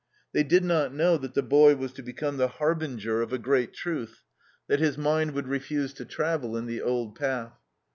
They did not know that the boy was to become the harbinger of a great truth, that his mind would refuse to travel in the old path.